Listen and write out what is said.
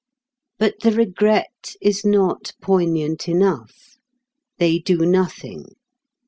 But the regret is not poignant enough. They do nothing.